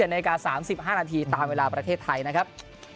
นาที๓๕นาทีตามเวลาประเทศไทยนะครับ